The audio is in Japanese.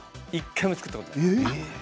１回も作ったことない。